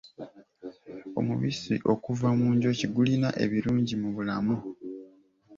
Omubisi okuva mu njuki gulina ebirungi mu bulamu.